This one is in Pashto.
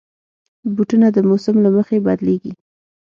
بوټونه د موسم له مخې بدلېږي.